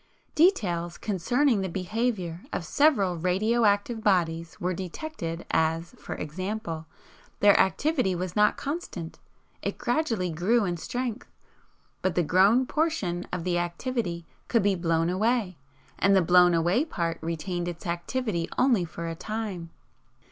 "Details concerning the behaviour of several radio active bodies were detected, as, for example, their activity was not constant; it gradually grew in strength, BUT THE GROWN PORTION OF THE ACTIVITY COULD BE BLOWN AWAY, AND THE BLOWN AWAY PART RETAINED ITS ACTIVITY ONLY FOR A TIME.